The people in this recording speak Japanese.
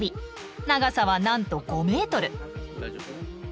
長さはなんと５ｍ。